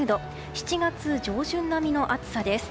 ７月上旬並みの暑さです。